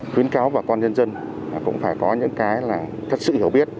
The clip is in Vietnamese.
khuyến cáo bà con nhân dân cũng phải có những cái là thật sự hiểu biết